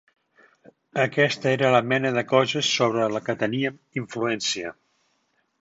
Aquesta era la mena de coses sobre la que teníem influència.